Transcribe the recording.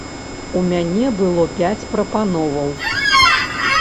У мяне было пяць прапановаў.